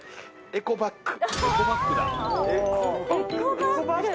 エコバッグ」